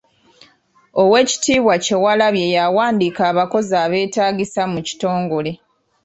Oweekitiibwa Kyewalabye yawandiika abakozi abeetaagisa mu kitongole.